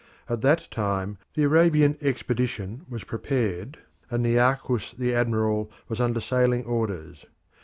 At that time the Arabian expedition was prepared, and Nearchus the admiral was under sailing orders.